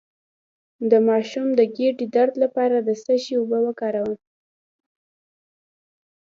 د ماشوم د ګیډې درد لپاره د څه شي اوبه وکاروم؟